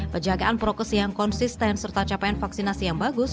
penjagaan prokesi yang konsisten serta capaian vaksinasi yang bagus